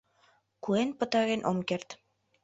Куэн пытарен ом керт.